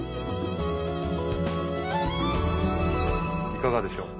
いかがでしょう？